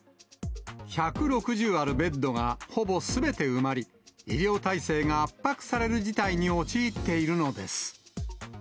１６０あるベッドがほぼすべて埋まり、医療体制が圧迫される事態に陥っているのです。